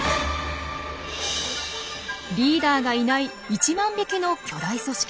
リーダーがいない１万匹の巨大組織。